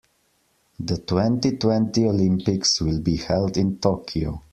The twenty-twenty Olympics will be held in Tokyo.